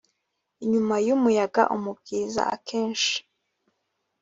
inyuma y umuyaga umubwiriza akenshi